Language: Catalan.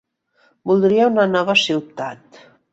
Voldria una nova ciutat.